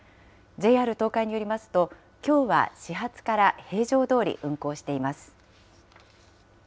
ＪＲ東海によりますと、きょうは始発から平常どおり運行しています。